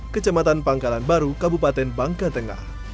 kecamatan pangkalan baru kabupaten bangka tengah